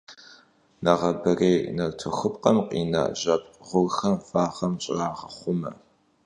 Нэгъабэрей нартыхупкъэм къина жэпкъ гъурхэр вагъэм щӀрагъэхъумэ.